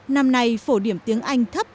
năm nay phổ điểm tiếng anh thấp